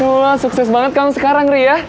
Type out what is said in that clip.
wah sukses banget kamu sekarang ria